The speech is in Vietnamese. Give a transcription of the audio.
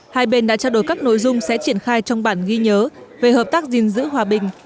hai bên đã trao đổi các nội dung sẽ triển khai trong bản ghi nhớ về hợp tác gìn giữ hòa bình